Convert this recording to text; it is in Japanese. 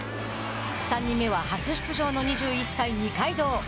３人目は初出場の２１歳二階堂。